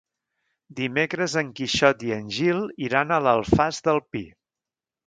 Dimecres en Quixot i en Gil iran a l'Alfàs del Pi.